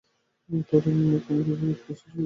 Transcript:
তারা নানা রকম করে ওর উপর উৎপাত শুরু করলে।